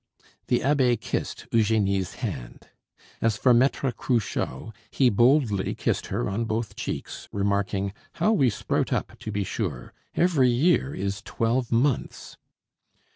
The abbe kissed Eugenie's hand. As for Maitre Cruchot, he boldly kissed her on both cheeks, remarking: "How we sprout up, to be sure! Every year is twelve months."